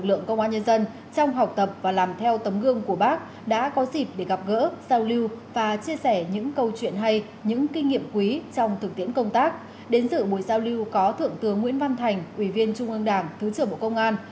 cùng hàng trăm tấm gương dũng cảm mưu trí liêm quan